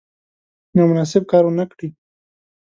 نامناسب کار ونه کړي.